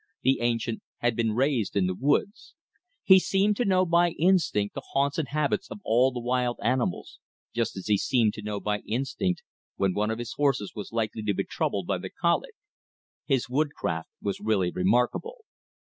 The ancient had been raised in the woods. He seemed to know by instinct the haunts and habits of all the wild animals, just as he seemed to know by instinct when one of his horses was likely to be troubled by the colic. His woodcraft was really remarkable.